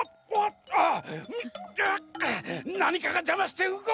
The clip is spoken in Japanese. なにかがじゃましてうごけない！